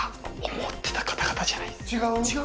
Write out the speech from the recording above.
思ってた方々じゃないです。